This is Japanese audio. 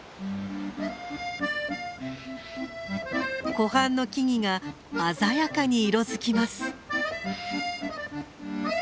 湖畔の木々が鮮やかに色づきます。